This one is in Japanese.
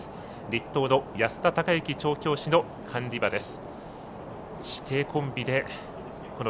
栗東の安田隆行調教師の管理馬です。